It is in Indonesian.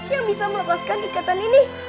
yang bisa melepaskan ikatan ini